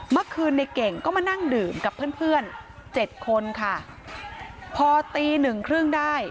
เมื่อคืนในเก่งก็มานั่งดื่มกับเพื่อนเพื่อนเจ็ดคนค่ะพอตีหนึ่งครึ่งได้